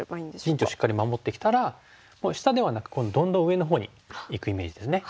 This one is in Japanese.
陣地をしっかり守ってきたらもう下ではなくどんどん上のほうにいくイメージですね。